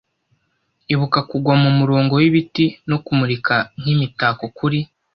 ibuka, kugwa mumurongo wibiti no kumurika nkimitako kuri